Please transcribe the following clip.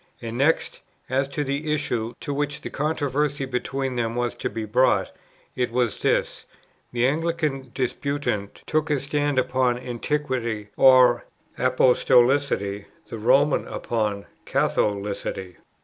And next, as to the issue, to which the controversy between them was to be brought, it was this: the Anglican disputant took his stand upon Antiquity or Apostolicity, the Roman upon Catholicity.